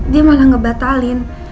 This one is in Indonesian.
dia malah ngebatalin